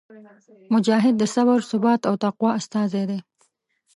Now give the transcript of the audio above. مجاهد د صبر، ثبات او تقوا استازی دی.